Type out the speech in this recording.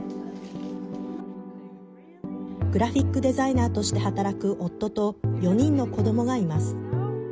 グラフィックデザイナーとして働く夫と４人の子どもがいます。